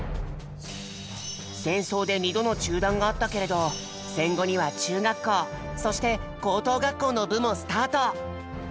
戦争で２度の中断があったけれど戦後には中学校そして高等学校の部もスタート。